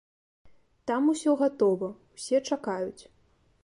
Там усё гатова, усе чакаюць.